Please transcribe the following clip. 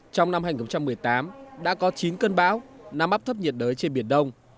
trong năm hai nghìn một mươi tám đã có chín cơn bão năm áp thấp nhiệt đới trên biển đông